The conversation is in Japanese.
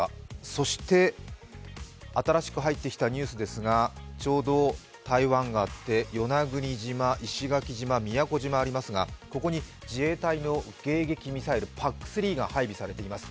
そして、新しく入ってきたニュースですが、ちょうど台湾があって与那国島、石垣島、宮古島ありますがここに自衛隊の迎撃ミサイルＰＡＣ３が配備されています。